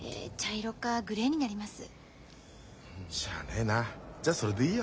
しゃあねえなじゃあそれでいいよ。